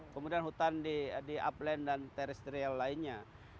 kemudian hutan di upland dan terestrial lainnya